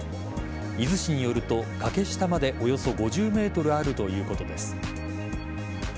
伊豆市によると崖下までおよそ５０ｍあるということです。